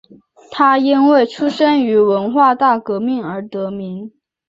他因为出生于文化大革命而得名。